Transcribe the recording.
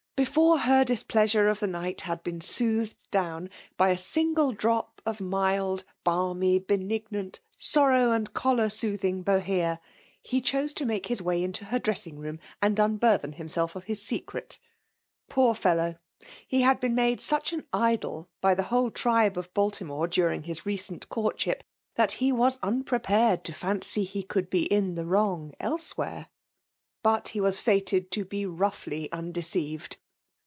Before her displeasure of the night had been soothed down by a single cup of mild, balmy, benignant, sorrow and choler soothing Bohea, he chose 4 to make his way into her dressing room, and unburthen himself of his secret. Poor fellow ! He had been made such an idol by the whole tribe of Baltimore during his recent courtship. FBMALE POMiNATlON. ^25 that be was unprepared to fancy he could be in the wrong elsewhere. But he was fated to be roughly undeceived.